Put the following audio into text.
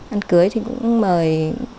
ăn cưới thì cũng mời